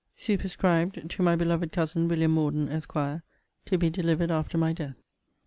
] Superscribed, TO MY BELOVED COUSIN WILLIAM MORDEN, ESQ. TO BE DELIVERED AFTER MY DEATH.